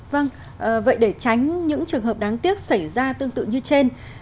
vâng vậy để tránh những trường hợp đáng tiếc xảy ra tương tự như trên